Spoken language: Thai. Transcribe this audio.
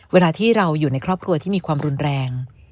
เวลาที่เราอยู่ในครอบครัวที่มีความรุนแรง